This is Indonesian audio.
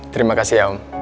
terima kasih om